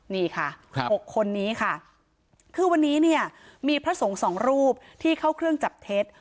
นี่ค่ะ๖คนนี้ค่ะคือวันนี้เนี่ยมีพระสงฆ์สองรูปที่เข้าเครื่องจับเท็จ